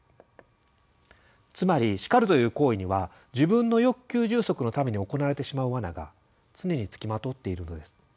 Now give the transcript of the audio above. つまり「叱る」という行為には自分の欲求充足のために行われてしまう罠が常に付きまとっているのです。